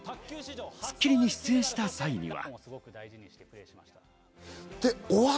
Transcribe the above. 『スッキリ』に出演した際には。